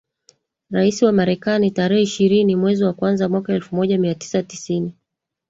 rais wa Marekani tarehe ishirini mwezi wa kwanza mwaka elfu moja mia tisa tisini